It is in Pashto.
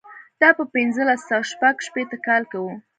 دا په پنځلس سوه شپږ شپېته کال کې و.